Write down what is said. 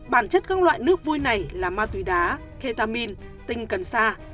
bản chất các loại nước vui này là ma túy đá ketamin tinh cần sa